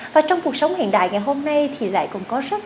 và trong cuộc sống hiện đại ngày hôm nay thì lại có những nét đẹp của con chữ